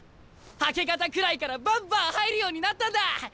明け方くらいからバンバン入るようになったんだ！